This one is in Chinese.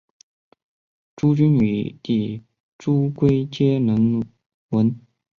朱筠与弟朱圭皆能文。